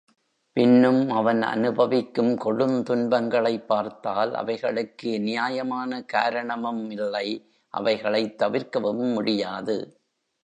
பின்னும் அவன் அநுபவிக்கும் கொடுந் துன்பங்களைப் பார்த்தால், அவைகளுக்கு நியாயமான காரணமும் இல்லை அவைகளைத் தவிர்க்கவும் முடியாது.